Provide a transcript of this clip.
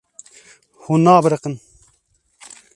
Hûn nabiriqin.